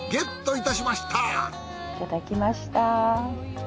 いただきました。